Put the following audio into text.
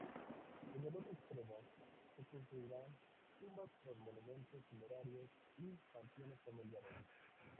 En el otro extremo, se construirían tumbas con monumentos funerarios y panteones familiares.